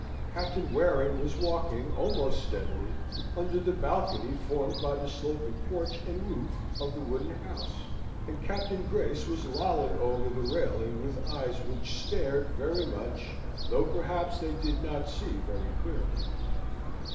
Captain Waring was walking, almost steadily, under the balcony formed by the sloping porch and roof of the wooden house; and Captain Grace was lolling over the railing, with eyes which stared very much, though perhaps they did not see very clearly.